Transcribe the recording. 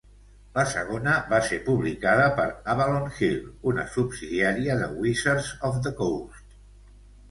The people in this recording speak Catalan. La segona va ser publicada per Avalon Hill, una subsidiària de Wizards of the Coast.